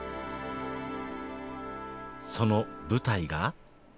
その舞台が。